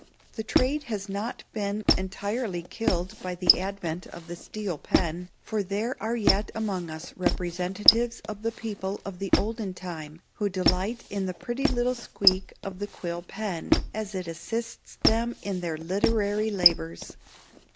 The trade has not been entirely killed by the advent of the steel pen, for there are yet among us representatives of the people of the olden time who delight in the pretty little squeak of the quill pen as it assists them in their literary labors.